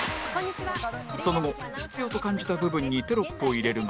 その後必要と感じた部分にテロップを入れるが